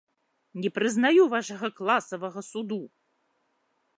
Не прызнаю вашага класавага суду!